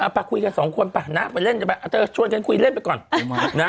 อ่าป่ะคุยกับสองคนป่ะน่ะไปเล่นกันไปเอาเธอชวนกันคุยเล่นไปก่อน